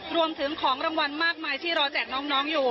ของรางวัลมากมายที่รอแจกน้องอยู่